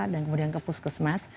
dan kemudian ke puskesmas